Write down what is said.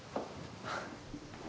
あっ。